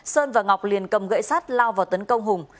sơn và ngọc liền cầm gậy sát lao vào tấn công hùng